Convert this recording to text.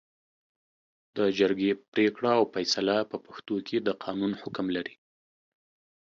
د جرګې پرېکړه او فېصله په پښتو کې د قانون حکم لري